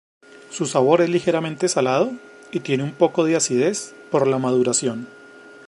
Su sabor es ligeramente salado y tiene un poco de acidez por la maduración.